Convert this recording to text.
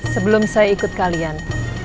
sebelum saya ikut kalian